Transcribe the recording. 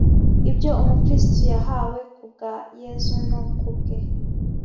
Ibyo umukristo yahawe ku bwa Yesu no ku bwe